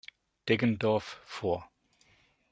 Deggendorf, vor.